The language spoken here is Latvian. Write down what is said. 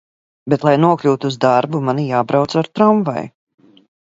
Bet, lai nokļūtu uz darbu, man ir jābrauc ar tramvaju.